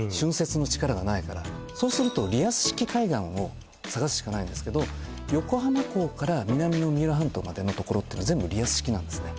浚渫の力がないからそうするとリアス式海岸を探すしかないですけど横浜港から南の三浦半島までのところって全部リアス式なんですね